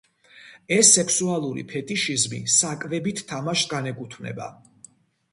ეს სექსუალური ფეტიშიზმი საკვებით თამაშს განეკუთნება.